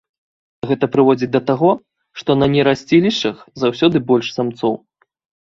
Гэта прыводзіць да таго, што на нерасцілішчах заўсёды больш самцоў.